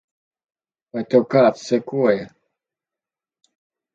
Vai tev kāds sekoja?